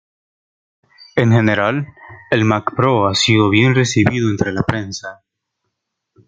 En general, el Mac Pro ha sido bien recibido entre la prensa.